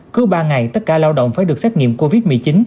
cứ ba ngày tất cả lao động phải được xét nghiệm covid một mươi chín